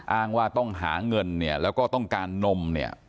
อ้างว่าต้องหาเงินเนี่ยแล้วก็ต้องการนมเนี่ย